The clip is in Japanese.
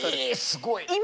えすごい！